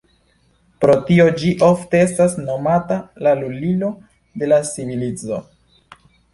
Pro tio ĝi ofte estas nomata la "lulilo de la civilizo".